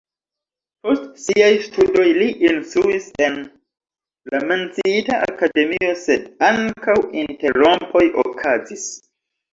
Post siaj studoj li instruis en la menciita akademio, sed ankaŭ interrompoj okazis.